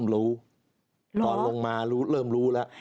รู้ตอนลงมาเริ่มรู้แล้ว